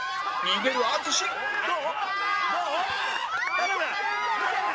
頼む！